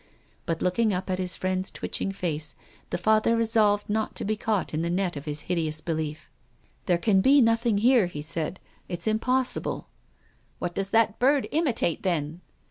But, looking up at his friend's twitching face, the Father resolved not to be caught in the net of his hideous belief. " There can be nothing here," he said. " It's impossible." " What does that bird imitate, then?"